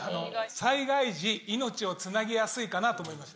災害時、命をつなぎやすいかなと思いました。